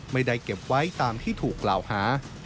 ไม่ได้เก็บไว้ตามที่ถูกกล่าวหา